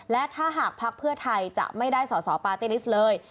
และถ้าหากภักดิ์เพื่อไทยจะไม่ได้สอสอปาร์ตี้ลิสต์เลย